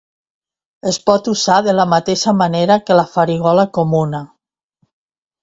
Es pot usar de la mateixa manera que la farigola comuna.